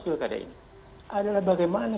pilkada ini adalah bagaimana